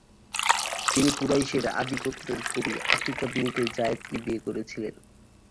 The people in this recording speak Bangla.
তিনি কুরাইশের আদি গোত্রের কবি আতিকা বিনতে জায়েদকে বিয়ে করেছিলেন।